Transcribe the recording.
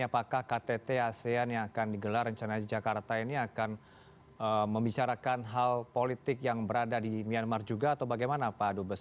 apakah ktt asean yang akan digelar rencana jakarta ini akan membicarakan hal politik yang berada di myanmar juga atau bagaimana pak dubes